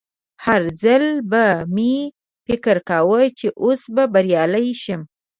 هر ځل به مې فکر کاوه چې اوس به بریالی شم